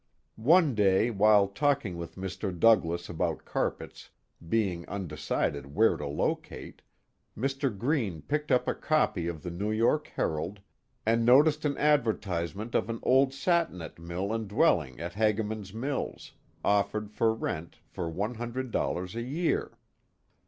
One day, while talking with Mr. Douglass about carpels, being undecided where to locate, Mr, Greene picked up a copy of the iViW i'or^ Herald, and noticed an advertisement of an old satinet mill and dwelling at Hagaman's Mills, ofFereii for rent for one hundred dollars a year.